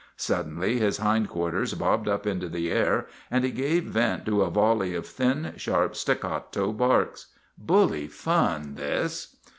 Suddenly his hind quarters bobbed up into the air and he gave vent to a volley of thin, sharp, staccato barks. Bully fun, this!